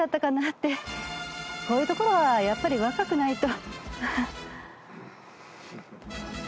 こういうところはやっぱり若くないと。